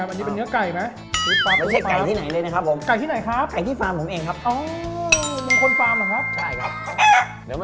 มันเพี้ยงอย่างเหมาะเลยครับ